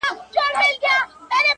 خلاصول يې خپل ځانونه اولادونه،